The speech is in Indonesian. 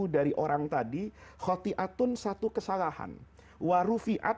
dan itu saja